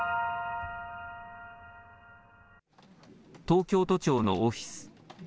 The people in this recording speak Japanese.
東京都庁のオフィス。